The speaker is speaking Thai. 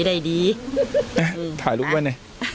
ได้ดีถ่ายรูปไหม